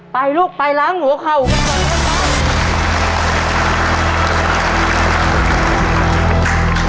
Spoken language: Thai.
ไปลูกไปล้างหัวเข้ากัน